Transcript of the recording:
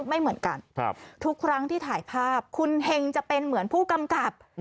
ไม่เหมือนกันทุกครั้งที่ถ่ายภาพคุณเฮงจะเป็นเหมือนผู้กำกับ